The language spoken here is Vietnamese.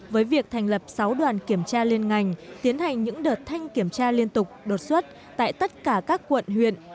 với việc thành lập sáu đoàn kiểm tra liên ngành tiến hành những đợt thanh kiểm tra liên tục đột xuất tại tất cả các quận huyện